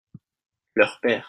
leur père.